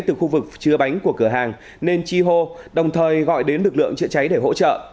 từ khu vực chứa bánh của cửa hàng nên chi hô đồng thời gọi đến lực lượng chữa cháy để hỗ trợ